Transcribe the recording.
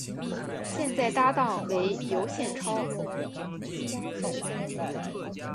现在搭档为尤宪超。